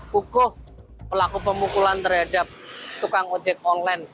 kukuh pelaku pemukulan terhadap tukang ojek online